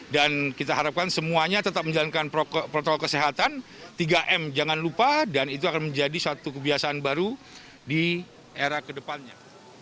kita harapkan semuanya tetap menjalankan protokol kesehatan tiga m jangan lupa dan itu akan menjadi satu kebiasaan baru di era kedepannya